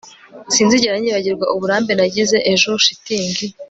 Sinzigera nibagirwa uburambe nagize ejo shitingi